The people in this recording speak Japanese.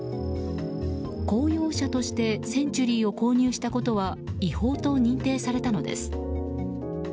公用車としてセンチュリーを購入したことは違法と認定されたのです。